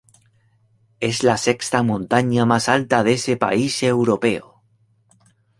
Es la sexta montaña más alta de ese país europeo.